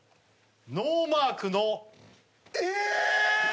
ノーマークのえ！？